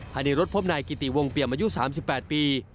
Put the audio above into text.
ฮานีรถพบในกิติวงเปรียมอายุ๓๘ปี